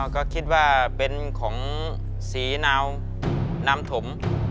ก็คิดว่าเป็นของสีนาวนามถม